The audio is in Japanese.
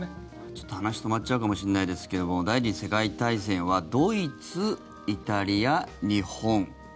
ちょっと話変わっちゃうかもしれませんが第２次世界大戦はドイツ、イタリア、日本。